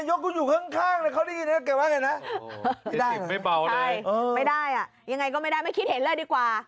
เจ๊จิ๋มไม่เบาเลยไม่ได้อ่ะยังไงก็ไม่ได้ไม่คิดเห็นเลยดีกว่า